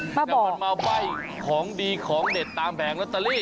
ป้าบอกมันมาใบ้ของดีของเด็ดตามแบ่งแล้วตัลลี่